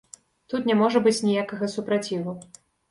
Тут не можа быць ніякага супраціву.